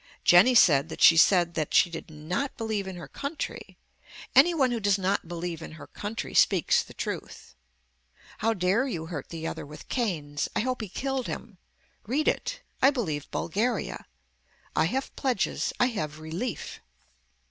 Jenny said that she said that she did not believe in her country. Any one who does not believe in her country speaks the truth. How dare you hurt the other with canes. I hope he killed him. Read it. I believe Bulgaria. I have pledges. I have relief.